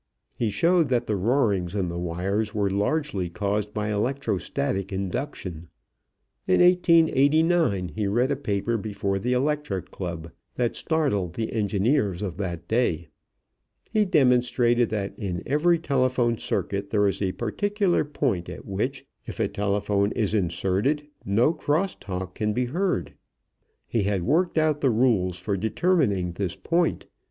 He showed that the roarings in the wires were largely caused by electro static induction. In 1889 he read a paper before the Electric Club that startled the engineers of that day. He demonstrated that in every telephone circuit there is a particular point at which, if a telephone is inserted, no cross talk can be heard. He had worked out the rules for determining this point.